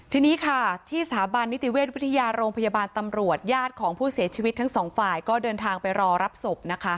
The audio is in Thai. ทีนี้ค่ะที่สถาบันนิติเวชวิทยาโรงพยาบาลตำรวจญาติของผู้เสียชีวิตทั้งสองฝ่ายก็เดินทางไปรอรับศพนะคะ